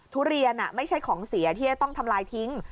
ทุเรียนไม่ใช่ของเสียที่จะต้องทำลายทิ้ง